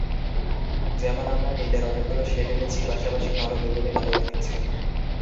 যেমন আমরা নীলের অনেকগুলো শেড এনেছি, পাশাপাশি কালো, বেগুনি, লালও থাকছে।